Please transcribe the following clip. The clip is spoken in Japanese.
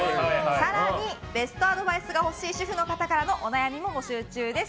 更に、ベストアドバイスが欲しい主婦の方からのお悩みも募集中です。